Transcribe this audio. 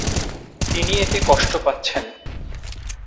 তিনি এতে কষ্ট পাচ্ছেন।